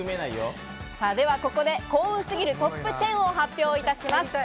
ではここで幸運すぎるトップ１０を発表いたします。